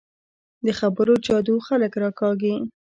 د خبرو جادو خلک راکاږي